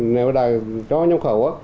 nếu là cho nhập khẩu